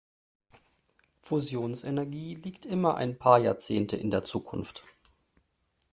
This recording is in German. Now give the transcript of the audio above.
Fusionsenergie liegt immer ein paar Jahrzehnte in der Zukunft.